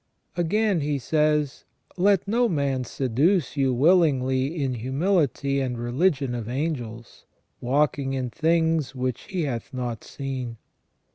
Again he says : "Let no man seduce you willingly in humility and religion of angels, walking in things which he hath not seen